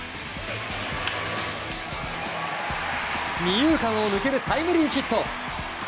二遊間を抜けるタイムリーヒット！